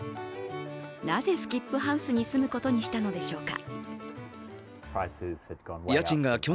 なぜ、スキップハウスに住むことにしたのでしょうか？